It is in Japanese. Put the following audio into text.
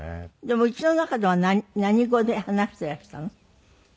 でも家の中では何語で話していらしたの？